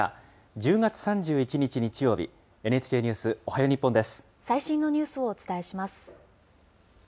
１０月３１日日曜日、ＮＨＫニュースおはよう日本です。